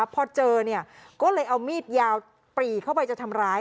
พอเจอเนี่ยก็เลยเอามีดยาวปรีเข้าไปจะทำร้าย